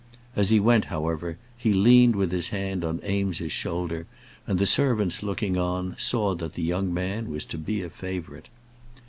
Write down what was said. As he went, however, he leaned with his hand on Eames's shoulder, and the servants looking on saw that the young man was to be a favourite.